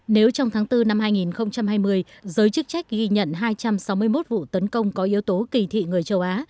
nếu trong tháng bốn năm hai nghìn hai mươi giới chức trách ghi nhận hai trăm sáu mươi một vụ tấn công có yếu tố kỳ thị người châu á